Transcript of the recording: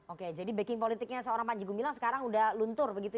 oke jadi backing politiknya seorang panji gumilang sekarang udah luntur begitu ya